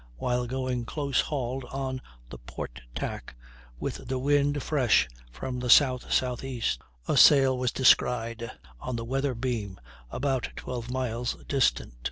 while going close hauled on the port tack, with the wind fresh from the S. S. E., a sail was descried on the weather beam, about 12 miles distant.